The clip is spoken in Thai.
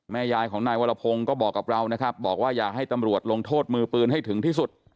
ยายของนายวรพงศ์ก็บอกกับเรานะครับบอกว่าอยากให้ตำรวจลงโทษมือปืนให้ถึงที่สุด